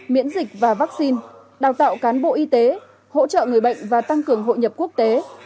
miễn dịch và vaccine đào tạo cán bộ y tế hỗ trợ người bệnh và tăng cường hội nhập quốc tế